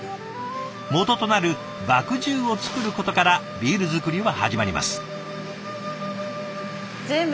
もととなる麦汁を造ることからビール造りは始まります。